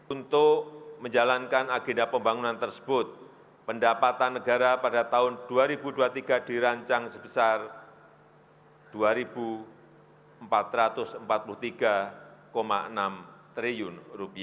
untuk menjalankan agenda pembangunan tersebut pendapatan negara pada tahun dua ribu dua puluh tiga dirancang sebesar rp dua empat ratus empat puluh tiga enam triliun